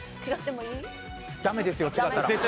ダメですよ違ったら。